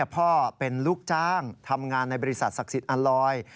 พ่อเป็นลูกจ้างทำงานในบริษัทศักดิ์สิทธิอัลลอย